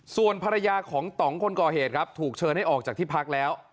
ส่วนภรรยาของต่องคนก่อเหตุครับถูกเชิญให้ออกจากที่พักแล้ว